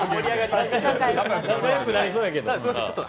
仲良くなりそうやけど。